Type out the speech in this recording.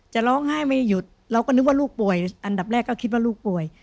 จะร้องไห้ไม่หยุดเราก็นึกว่าลูกป่วยอันดับแรกก็คิดว่าลูกป่วย